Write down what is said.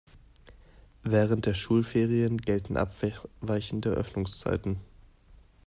Während der Schulferien gelten abweichende Öffnungszeiten.